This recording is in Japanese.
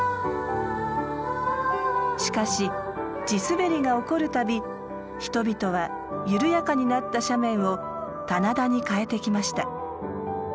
しかし地すべりが起こるたび人々は緩やかになった斜面を棚田に変えてきました。